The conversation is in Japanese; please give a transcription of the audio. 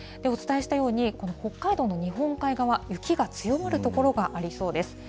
お伝えしたように、この北海道の日本海側、雪が強まる所がありそうです。